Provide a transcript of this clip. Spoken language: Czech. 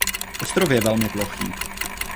Ostrov je velmi plochý.